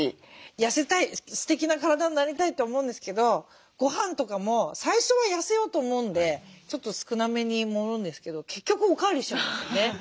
痩せたいすてきな体になりたいと思うんですけどごはんとかも最初は痩せようと思うんでちょっと少なめに盛るんですけど結局お代わりしちゃうんですよね。